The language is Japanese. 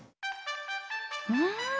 うん！